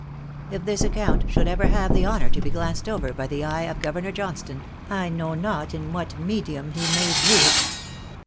If this account should ever have the honor to be glanced over by the eye of Governor Johnstone, I know not in what medium he may view it.